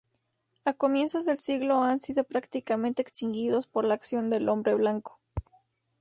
A comienzos del siglo han sido prácticamente extinguidos por la acción del hombre blanco.